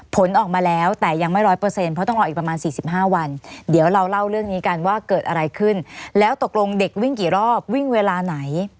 ผลออกมาแล้วแต่ยังไม่ร้อยเปอร์เซ็นเพราะต้องรออีกประมาณ๔๕วันเดี๋ยวเราเล่าเรื่องนี้กันว่าเกิดอะไรขึ้นแล้วตกลงเด็กวิ่งกี่รอบวิ่งเวลาไหน